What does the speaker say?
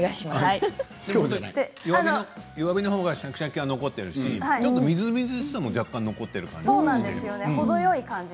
弱火のほうがシャキシャキが残っているしみずみずしさも若干残っている感じがします。